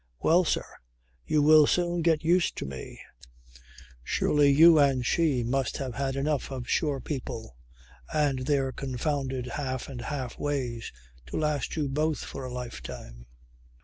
"Well, sir, you will soon get used to me. Surely you and she must have had enough of shore people and their confounded half and half ways to last you both for a life time.